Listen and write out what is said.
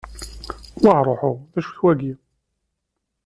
Wahruḥu d-acu-t wagi?